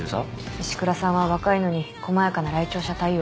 石倉さんは若いのに細やかな来庁者対応。